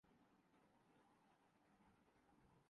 کیسے ہیں آپ؟